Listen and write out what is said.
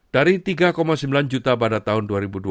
dari tiga sembilan juta pada tahun dua ribu dua belas